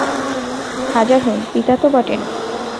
হাজার হউন, পিতা তো বটেন।